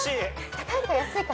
高いか安いか？